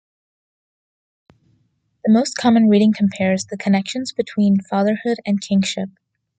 The most common reading compares "the connections between fatherhood and kingship".